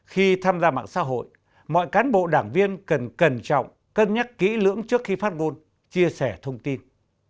khi tham gia mạng xã hội mọi cán bộ đảng viên cần cẩn trọng cân nhắc kỹ lưỡng trước khi phát ngôn chia sẻ thông tin